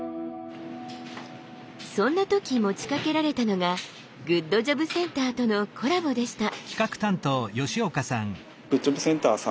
そんな時持ちかけられたのがグッドジョブセンターとのコラボでした。